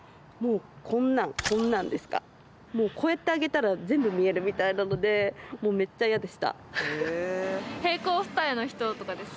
こんなんこんなんですかこうやって上げたら全部見えるみたいなのでもうめっちゃ嫌でした二重？